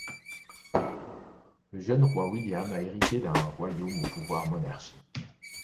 Le jeune roi William a hérité d'un royaume au pouvoir monarchique.